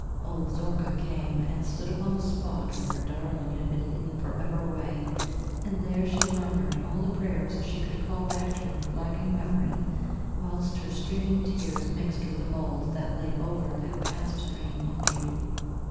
Old Zorka came and stood upon the spot where her darling had been hidden for ever away, and there she murmured all the prayers she could call back to her flagging memory, whilst her streaming tears mixed with the mould that lay over that past dream of beauty.